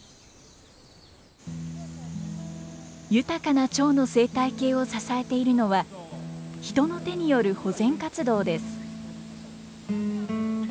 豊かなチョウの生態系を支えているのは人の手による保全活動です。